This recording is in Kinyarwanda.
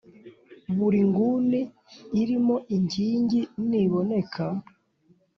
buri nguni irimo inking niboneka